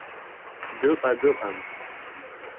Дыҟа-дыҟам…